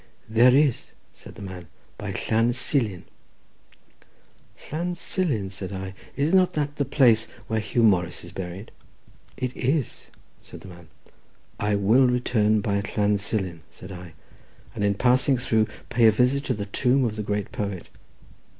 "There is," said the man; "by Llan Silin." "Llan Silin!" said I; "is not that the place where Huw Morris is buried?" "It is," said the man. "I will return by Llan Silin," said I, "and in passing through pay a visit to the tomb of the great poet.